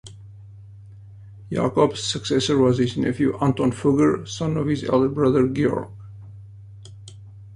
Jakob's successor was his nephew Anton Fugger, son of his elder brother Georg.